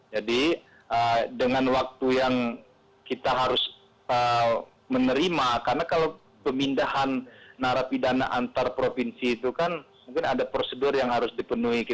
jadi dengan waktu yang kita harus menerima karena kalau pemindahan narapi dana antar provinsi itu kan mungkin ada prosedur yang harus dipenuhi